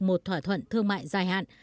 một thỏa thuận thương mại dài hạn